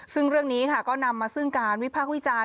ซึ่งเรื่องนี้ค่ะก็นำมาซึ่งการวิพากษ์วิจารณ์